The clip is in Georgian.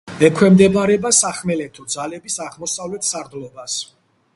ექვემდებარება სახმელეთო ძალების აღმოსავლეთ სარდლობას.